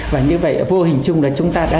và như vậy vô hình chung là chúng ta đã